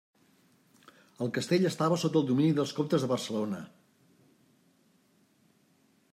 El castell estava sota el domini dels comtes de Barcelona.